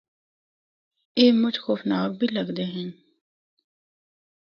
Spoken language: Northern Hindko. اے مُچ خوفناک بھی لگدے ہن۔